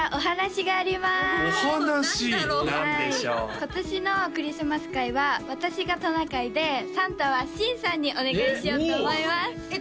今年のクリスマス回は私がトナカイでサンタは新さんにお願いしようと思いますえっ！